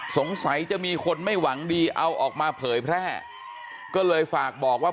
สงสัยจะมีคนไม่หวังดีเอาออกมาเผยแพร่ก็เลยฝากบอกว่า